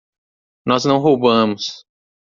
Nós não roubamos.